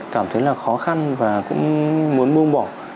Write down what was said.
cảm thấy là khó khăn và cũng muốn bỏ